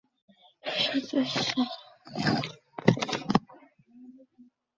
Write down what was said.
এটি কয়েকটি ওয়ার্ডে বিভক্ত এবং প্রতিটি ওয়ার্ডের প্রতিনিধিত্ব করে একজন ওয়ার্ড সদস্য।